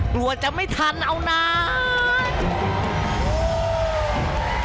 กลัวจะไม่ทันเอานาน